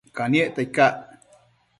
Caniecta icac?